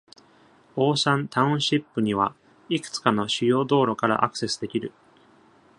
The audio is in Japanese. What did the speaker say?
オーシャン・タウンシップには、いくつかの主要道路からアクセスできる。